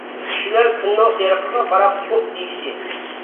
كىشىلەر كۈننىڭ سېرىقىغا قاراپ «ئۇھ» دېيىشتى.